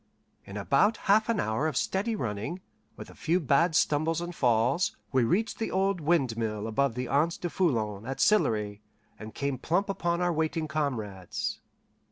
In about half an hour of steady running, with a few bad stumbles and falls, we reached the old windmill above the Anse du Foulon at Sillery, and came plump upon our waiting comrades.